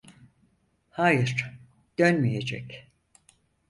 Hayır, dönmeyecek.